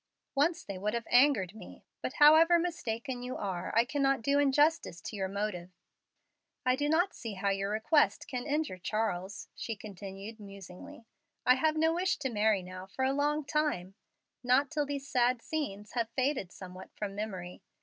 Once they would have angered me. But, however mistaken you are, I cannot do injustice to your motive. "I do not see how your request can injure Charles," she continued, musingly. "I have no wish to marry now for a long time not till these sad scenes have faded somewhat from memory.